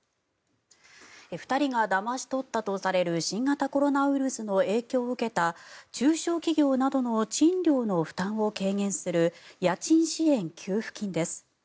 ２人がだまし取ったとされる新型コロナウイルスの影響を受けた中小企業などの賃料の負担を軽減する家賃支援給付金です。